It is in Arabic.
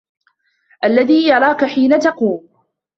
الَّذي يَراكَ حينَ تَقومُ